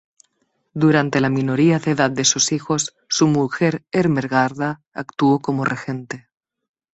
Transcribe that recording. Durante la minoría de edad de sus hijos, su mujer Ermengarda actuó como regente.